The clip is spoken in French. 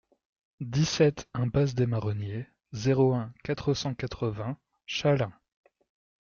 dix-sept impasse des Marronniers, zéro un, quatre cent quatre-vingts Chaleins